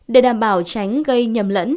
để đảm bảo tránh gây nhầm lẫn